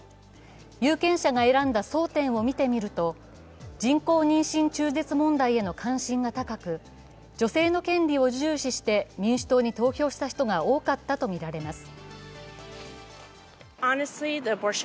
有権者が選んだ争点を見てみると人工妊娠中絶問題への関心が高く女性の権利を重視して民主党に投票した人が多かったとみられます。